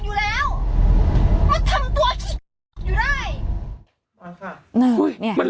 พี่ว่ามันไม่ปกตินะมส